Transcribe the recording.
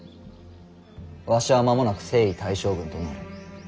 わしは間もなく征夷大将軍となる。